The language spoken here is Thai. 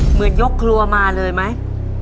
เหมือนยกครัวมาเลยไหม